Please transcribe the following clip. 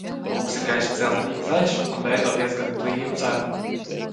Augs ir gaiši dzeltenīgi zaļs un veido diezgan blīvu ceru.